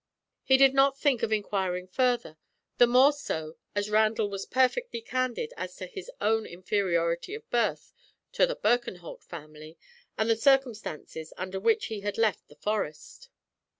He did not think of inquiring further, the more so as Randall was perfectly candid as to his own inferiority of birth to the Birkenholt family, and the circumstances under which he had left the Forest.